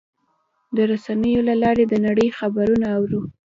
د رسنیو له لارې د نړۍ خبرونه اورو.